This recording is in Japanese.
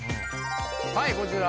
はいこちら。